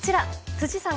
辻さん